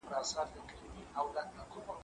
زه مخکي انځورونه رسم کړي وو!؟